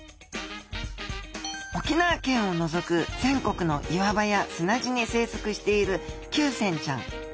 沖縄県をのぞく全国の岩場や砂地に生息しているキュウセンちゃん。